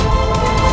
aku tidak mau